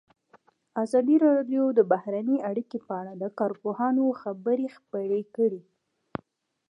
ازادي راډیو د بهرنۍ اړیکې په اړه د کارپوهانو خبرې خپرې کړي.